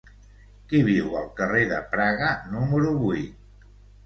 Qui viu al carrer de Praga número vuit?